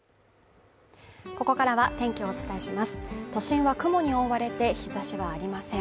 ここからは天気をお伝えします都心は雲に覆われて日差しはありません。